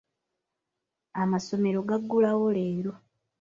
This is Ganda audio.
Amasomero gaggulawo leero.